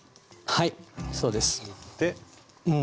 はいそうです。